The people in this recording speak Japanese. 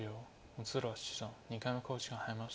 六浦七段２回目の考慮時間に入りました。